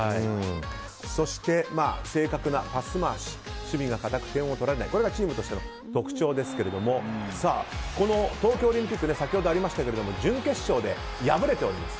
そして、正確なパス回し守備が堅くて点を取られないのがチームとしての特徴ですが東京オリンピックで準決勝で敗れております。